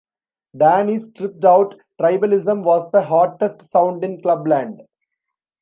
Danny's tripped out tribalism was the hottest sound in clubland.